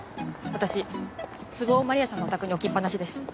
私壺を丸谷さんのお宅に置きっぱなしです。